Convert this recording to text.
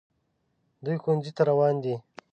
دوی ښوونځي ته روان دي